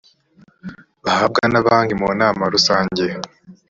bahabwa na banki mu nama rusange